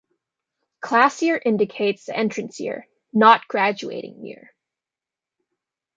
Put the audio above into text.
Class year indicates the entrance year, not graduating year.